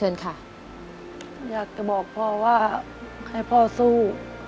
อยากจะบอกพ่อว่าให้พ่อสู้